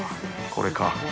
これか。